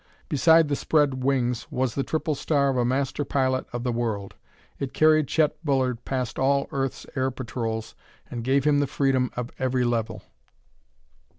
Beside the spread wings was the triple star of a master pilot of the world; it carried Chet Bullard past all earth's air patrols and gave him the freedom of every level.